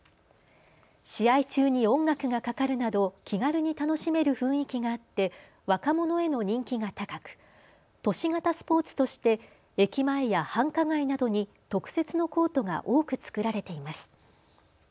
試合中に音楽がかかるなど気軽に楽しめる雰囲気があって若者への人気が高く都市型スポーツとして駅前や繁華街などに特設のコートが多く作られています。